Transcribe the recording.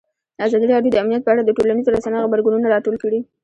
ازادي راډیو د امنیت په اړه د ټولنیزو رسنیو غبرګونونه راټول کړي.